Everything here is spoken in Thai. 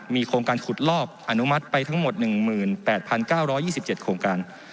มีโครงการขุดลอกอนุมัติไปทั้งหมด๑๘๙๒๗โครงการ